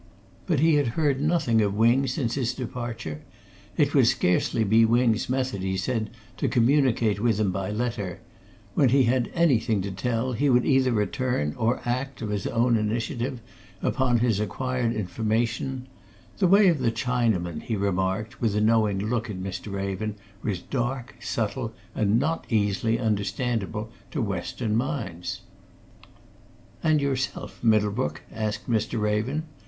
But he had heard nothing of Wing since his departure: it would scarcely be Wing's method, he said, to communicate with him by letter; when he had anything to tell, he would either return or act, of his own initiative, upon his acquired information: the way of the Chinaman, he remarked with a knowing look at Mr. Raven, was dark, subtle, and not easily understandable to Western minds. "And yourself, Middlebrook?" asked Mr. Raven.